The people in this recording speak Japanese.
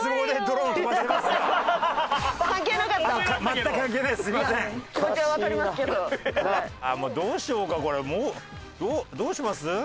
ねえどうします？